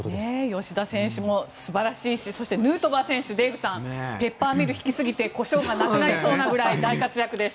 吉田選手も素晴らしいしそして、ヌートバー選手ペッパーミルコショウがなくなりそうなくらい大活躍です。